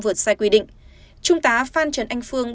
vượt sai quy định trung tá phan trần anh phương